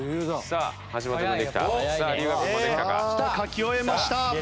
さあ書き終えました。